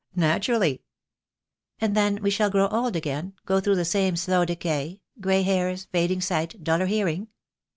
"Naturally." "And then we shall grow old again — go through the same slow decay — grey hairs, fading sight, duller hear ing?"